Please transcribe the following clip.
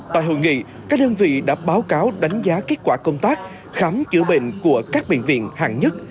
tại hội nghị các đơn vị đã báo cáo đánh giá kết quả công tác khám chữa bệnh của các bệnh viện hạng nhất